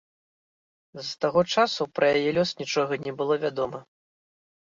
З таго часу пра яе лёс нічога не было вядома.